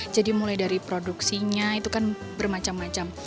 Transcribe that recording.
jadi mulai dari produksinya itu kan bermacam macam